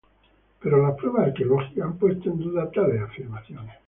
Pero las pruebas arqueológicas han puesto en duda tales afirmaciones.